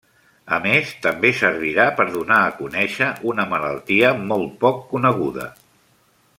A més, també servirà per donar a conèixer una malaltia molt poc coneguda.